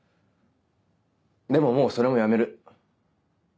でももうそれもやめる。